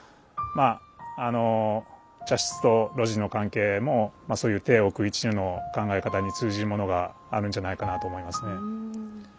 まああの茶室と露地の関係もそういう庭屋一如の考え方に通じるものがあるんじゃないかなと思いますね。